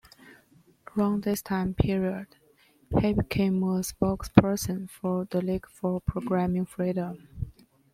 Around this time period, he became a spokesperson for the League for Programming Freedom.